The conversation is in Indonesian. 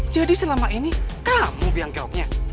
jadi selama ini kamu yang keoknya